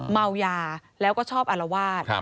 เมายาแล้วก็ชอบอารวาส